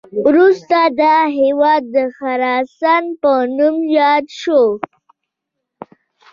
وروسته دا هیواد د خراسان په نوم یاد شو